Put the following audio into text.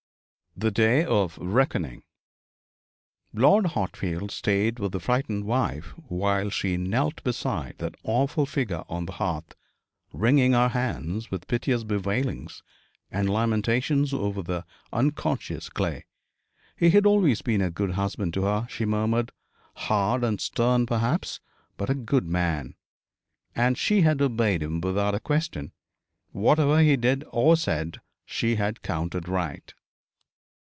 THE DAY OF RECKONING. Lord Hartfield stayed with the frightened wife while she knelt beside that awful figure on the hearth, wringing her hands with piteous bewailings and lamentations over the unconscious clay. He had always been a good husband to her, she murmured; hard and stern perhaps, but a good man. And she had obeyed him without a question. Whatever he did or said she had counted right.